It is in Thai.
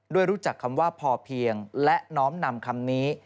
รู้จักคำว่าพอเพียงและน้อมนำคำนี้